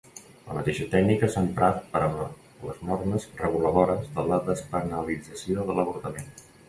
La mateixa tècnica s'ha emprat per a les normes reguladores de la despenalització de l'avortament.